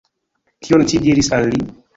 Kion ci diris al li?